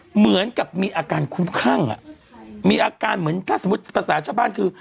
เหมือนกับมีอาการคุ้มคลั่งอ่ะมีอาการเหมือนถ้าสมมุติภาษาชาวบ้านคือ